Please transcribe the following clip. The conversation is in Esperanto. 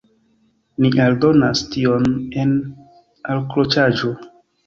Ni aldonas tion en alkroĉaĵo.